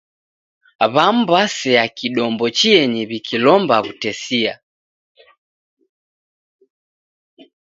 W'amu w'asea kidombo chienyi w'ikilomba w'utesia.